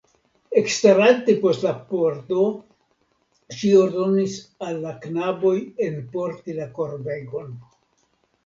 Ekstarante post la pordo ŝi ordonis al la knaboj enporti la korbegon.